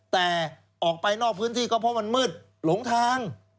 แต่ออกไปนอกพื้นที่ก็เพราะมันมืดหลงทาง